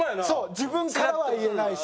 自分からは言えないし。